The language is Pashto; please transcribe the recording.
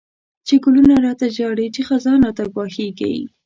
چی ګلونه ړاته ژاړی، چی خزان راته ګواښيږی